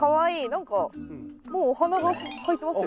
何かもうお花が咲いてますよ。